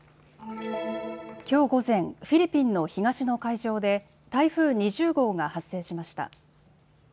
きょう午前、フィリピンの東の海上で台風２０号が発生しました。